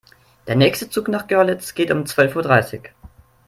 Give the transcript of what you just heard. Der nächste Zug nach Görlitz geht um zwölf Uhr dreißig